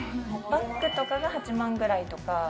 バッグとかが８万くらいとか。